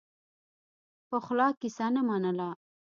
پخلا کیسه نه منله.